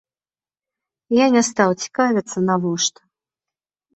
Я не стаў цікавіцца навошта.